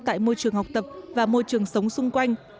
tại môi trường học tập và môi trường sống xung quanh